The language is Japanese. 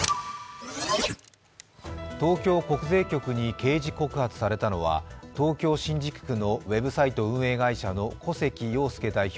東京国税局に刑事告発されたのは東京・新宿区のウェブサイト運営会社の古関陽介代表